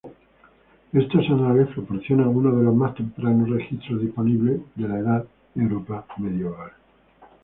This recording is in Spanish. Estos anales proporcionan uno de los más tempranos registros disponibles de la Europa medieval.